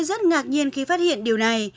tôi rất ngạc nhiên khi phát hiện điều này